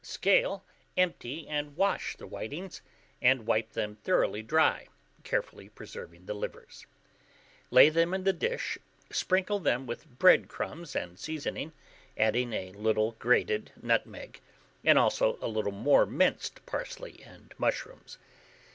Scale, empty, and wash the whitings, and wipe them thoroughly dry, carefully preserving the livers. Lay them in the dish, sprinkle them with bread crumbs and seasoning, adding a little grated nutmeg, and also a little more minced parsley and mushrooms.